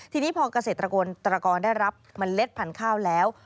ทีนี้พอเกษตรกรตระกรได้รับเมล็ดพันธุ์ข้าวแล้ว